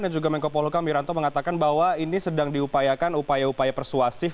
kamu juga mengatakan dan juga menko miranto mengatakan bahwa ini sedang diupayakan upaya upaya persuasif